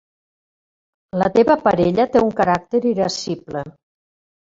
La teva parella té un caràcter irascible.